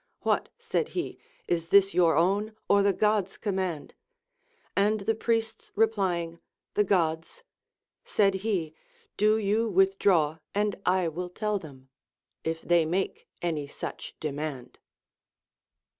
AVhat, said he, is this your own, or the God's command ? And the priests replying, The God's ; said he, Do you withdraw, and I will tell them, if they make any such demand.